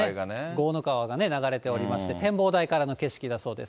ごうの川が流れておりまして、展望台からの景色だそうです。